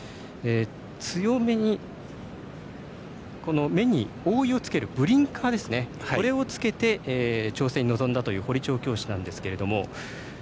強めに目に覆いをつけるブリンカーを着けて調整に臨んだという堀調教師なんですが。